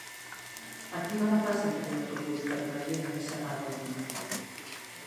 A quina hora passa el primer autobús per Granyena de Segarra demà?